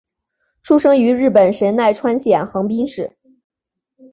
出生于日本神奈川县横滨市。